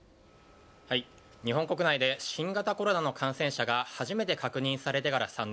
日本国内で新型コロナの感染者が初めて確認されてから３年。